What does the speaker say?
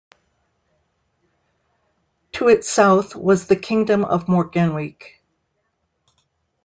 To its south was the Kingdom of Morgannwg.